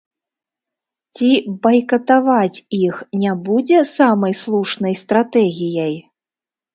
Ці байкатаваць іх не будзе самай слушнай стратэгіяй?